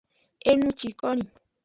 Enucikoni.